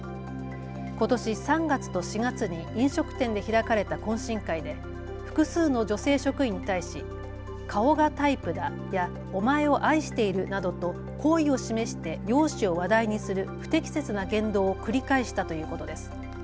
ことし３月と４月に飲食店で開かれた懇親会で複数の女性職員に対し顔がタイプだやお前を愛しているなどと好意を示して容姿を話題にする不適切な言動を繰り返したということです。